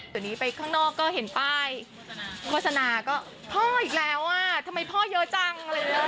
ตอนนี้ไปข้างนอกก็เห็นป้ายโฆษณาก็พ่ออีกแล้วอ่ะทำไมพ่อเยอะจัง